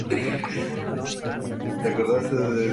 Sin embargo, era mucho menos difundida entre otras especies.